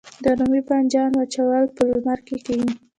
د رومي بانجان وچول په لمر کې کیږي؟